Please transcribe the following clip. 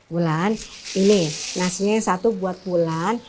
wulan ini nasinya satu buat wulan